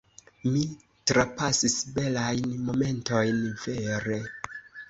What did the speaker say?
mi trapasis belajn momentojn, vere!